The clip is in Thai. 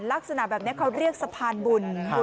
ลักษณะแบบนี้เขาเรียกสะพานบุญ